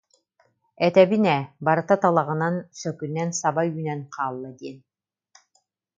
Этэбин ээ, барыта талаҕынан, сөкүнэн саба үүнэн хаалла диэн